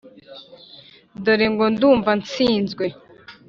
dore ngo ndumva nsinzwe